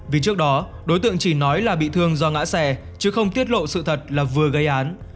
vì trước đó đối tượng chỉ nói là bị thương do ngã xe chứ không tiết lộ sự thật là vừa gây án